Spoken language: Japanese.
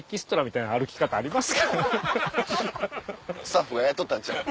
スタッフが雇ったんちゃう？